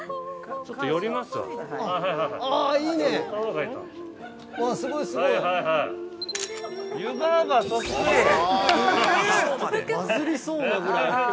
◆ちょっとバズりそうなぐらい。